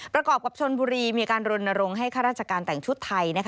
ประกอบกับชนบุรีมีการรณรงค์ให้ข้าราชการแต่งชุดไทย